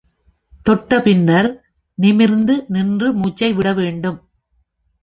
தொட்ட பின்னர், நிமிர்ந்து நின்று மூச்சை விட வேண்டும்.